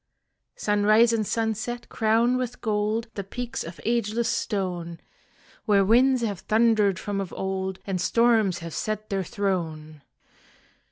Sunrise and sunset crown with gold The peaks of ageless stone, Where winds have thundered from of old And storms have set their throne.